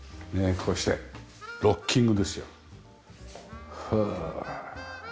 ねえこうしてロッキングですよ。